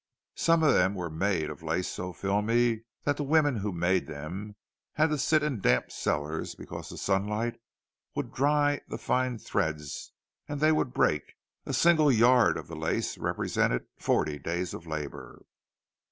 Some of them were made of lace so filmy that the women who made them had to sit in damp cellars, because the sunlight would dry the fine threads and they would break; a single yard of the lace represented forty days of labour.